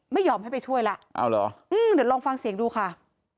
ไม่ยอมให้ไปช่วยแล้วเอาเหรออืมเดี๋ยวลองฟังเสียงดูค่ะ